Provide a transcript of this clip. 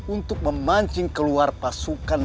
untuk memancing keluar pasukan